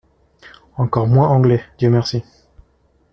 Encore moins anglais, dieu merci !